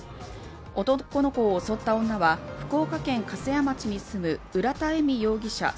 男の子を襲った女は、福岡県粕屋町に住む浦田恵美容疑者